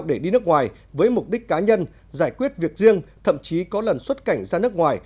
để đi nước ngoài với mục đích cá nhân giải quyết việc riêng thậm chí có lần xuất cảnh ra nước ngoài